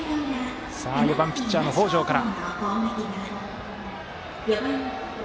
４番ピッチャーの北條から。